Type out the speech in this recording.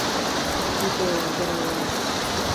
زوی ته يې واده راووړ.